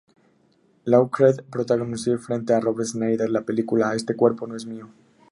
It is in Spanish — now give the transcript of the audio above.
Lawrence protagonizó frente a Rob Schneider la película "Este cuerpo no es mío".